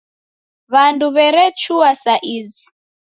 W'andu werechua sa izi.